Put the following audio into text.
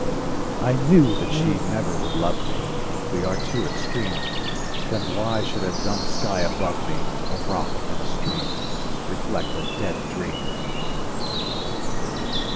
I knew that she never would love me,— We are too extreme— Then why should a dumb sky above me, A rock and a stream Reflect a dead dream?